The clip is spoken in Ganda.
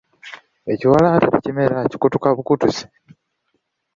Ekiwalaata tekimera kikutuka bukutusi.